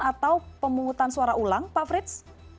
atau pemungutan suara ulang pak frits